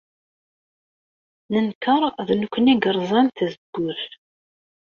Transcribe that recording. Nenkeṛ d nekkni ay yerẓan tazewwut.